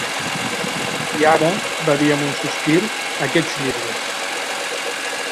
"I ara", va dir amb un sospir, "aquests llibres".